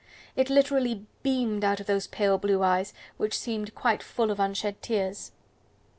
It literally beamed out of those pale blue eyes, which seemed quite full of unshed tears.